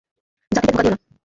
জাতিকে ধোঁকা দিও না।